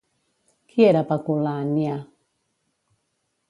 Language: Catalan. Qui era Pacul·la Annia?